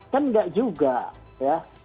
kan nggak juga ya